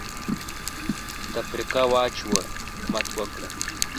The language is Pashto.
تفرقه واچوه ، حکومت وکړه.